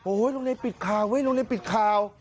โรงเรียนปิดข่าวเว้ยโรงเรียนปิดข่าว